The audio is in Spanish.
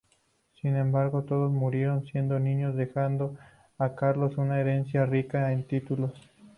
Sin embargo, todos murieron siendo niños, dejando a Carlos una herencia rica en títulos.